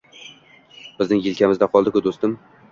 Bizning yelkamizda qoldi-ku, do’stim!